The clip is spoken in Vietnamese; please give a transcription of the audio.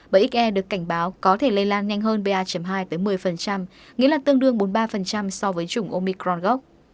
bởi xe được cảnh báo có thể lây lan nhanh hơn pa hai tới một mươi nghĩa là tương đương bốn mươi ba so với chủng omicron gốc